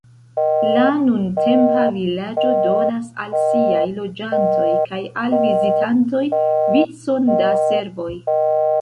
La nuntempa vilaĝo donas al siaj loĝantoj kaj al vizitantoj vicon da servoj.